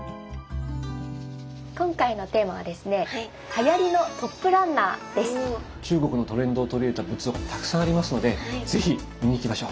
今回のテーマはですね中国のトレンドを取り入れた仏像がたくさんありますので是非見に行きましょう。